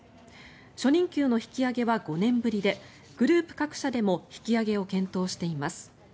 初任給の引き上げは５年ぶりでグループ各社でも引き上げを検討しています。